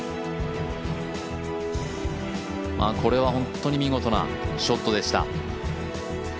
これは本当に見事なショットでした。